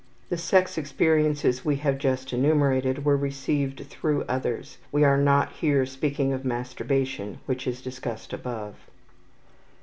The sex experiences we have just enumerated were received through others we are not here speaking of masturbation, which is discussed above.